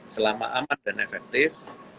selama aman dan efektif